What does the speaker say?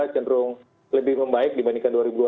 cenderung lebih membaik dibandingkan dua ribu dua puluh